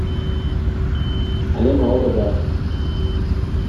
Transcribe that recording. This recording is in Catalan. Anem a Orba.